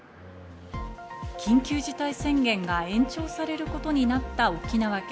緊急事態宣言が延長されることになった沖縄県。